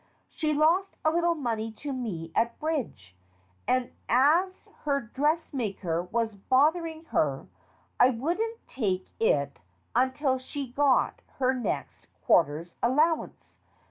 She lost a little money to me at bridge, and as her dressmaker was bothering her, I wouldn't take it until she got her next quarter's allowance.